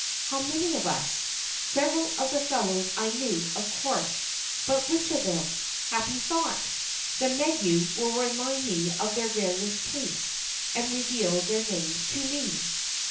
How many of us? Several of the fellows I knew, of course; but which of them? Happy thought! The menu will remind me of their various tastes and reveal their names to me.